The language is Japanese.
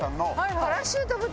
パラシュート部隊？